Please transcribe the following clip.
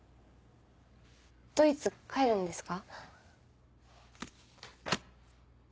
ドイツ帰るんですか？